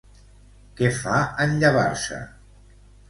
Què fa en llevar-se?